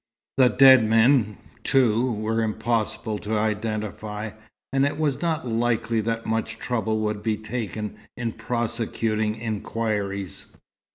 The dead men, too, were impossible to identify, and it was not likely that much trouble would be taken in prosecuting inquiries.